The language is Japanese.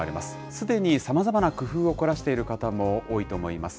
すでにさまざまな工夫を凝らしている方も多いと思います。